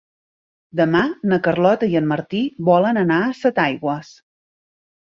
Demà na Carlota i en Martí volen anar a Setaigües.